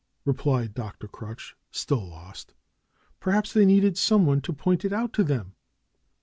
replied Dr. Crutch, still lost. "Perhaps they needed someone to point it out to them."